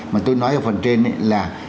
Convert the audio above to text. mà tôi nói ở phần trên là